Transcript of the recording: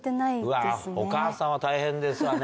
お母さんは大変ですわね